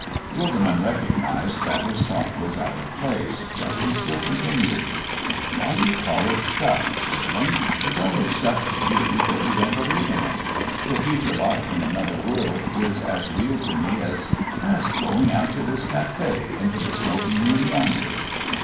Gilderman recognized that his talk was out of place, but he still continued. "Why do you call it stuff, Stirling? It's only stuff to you because you don't believe in it. The future life in another world is as real to me as as going out of this café into the smoking room yonder.